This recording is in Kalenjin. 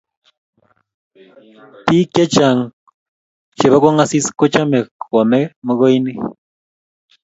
biik chechang chebo kongasis kuchome kuome mokoinik